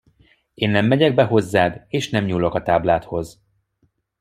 Én nem megyek be hozzád és nem nyúlok a tábládhoz.